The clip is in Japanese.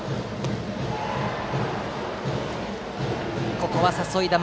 ここは誘い球。